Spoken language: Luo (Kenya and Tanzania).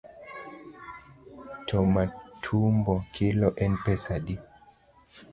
To matumbo kilo en pesa adi?